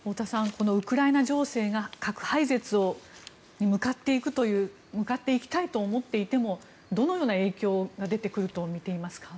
このウクライナ情勢が核廃絶に向かっていくという向かっていきたいと思っていてもどのような影響が出てくるとみていますか。